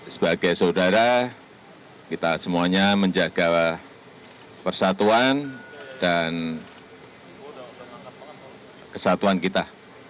sebagai saudara kita semuanya menjaga persatuan dan kesatuan kita